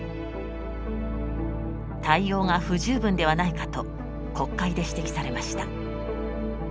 対応が不十分ではないかと国会で指摘されました。